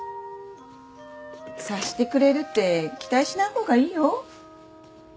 察してくれるって期待しない方がいいよ。